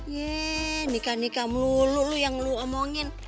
yee nikah nikah melulu yang lu omongin